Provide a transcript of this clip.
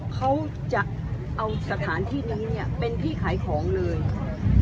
เขาจะเอาสถานที่นี้เนี่ยเป็นที่ขายของเลยค่ะ